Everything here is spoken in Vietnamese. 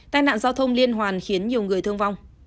tai nạn giao thông liên hoàn khiến nhiều người thương vong